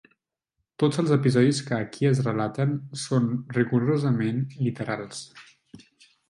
Tots els episodis que aquí es relaten són rigorosament literals.